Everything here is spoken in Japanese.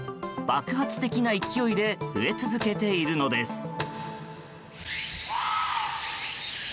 爆発的な勢いで増え続けているのです。